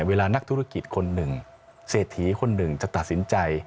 เวลานักธุรกิจคนหนึ่งเศรษฐีคนหนึ่งจะตัดสินใจ